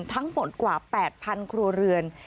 ทั้งหมดกว่า๘๐๐ครัวเรือน